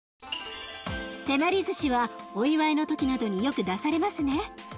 手まりずしはお祝いの時などによく出されますね。